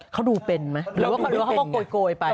เขาดูเป็นมั้ยหรือว่าเขากลโกยไป